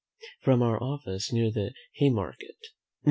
"From our Office near the Haymarket, Nov.